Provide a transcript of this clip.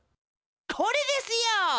これですよ！